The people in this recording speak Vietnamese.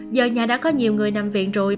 giờ nhà đã có nhiều người nằm viện rồi